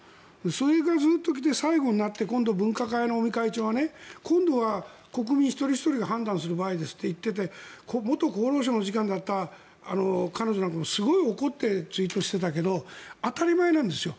それからずっと来て最後になって分科会の尾身会長は今度は国民一人ひとりが判断する場合って言っていて元厚労省の次官だった彼女などもすごい怒ってツイートしていたけど当たり前なんですよ。